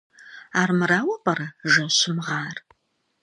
Армырауэ пӀэрэ жэщым гъар?